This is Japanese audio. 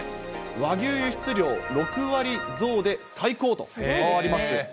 和牛輸出量、６割増で最高とあります。